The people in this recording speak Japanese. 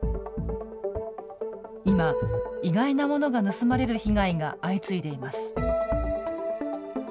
今、意外なものが盗まれる被害が相次いでいます。